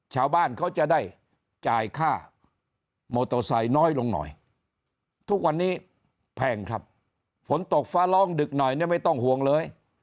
ชาวบ้านเขาจะได้จ่ายค่ามอเตอร์ไซค์น้อยลงหน่อยทุกวันนี้แพงครับฝนตกฟ้าร้องดึกหน่อยเนี่ยไม่ต้องห่วงเลย